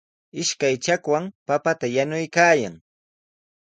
Ishkay chakwan papata yanuykaayan.